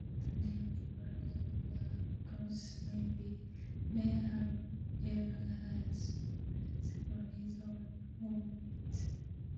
The name and language of the Goths may have even had separate origins.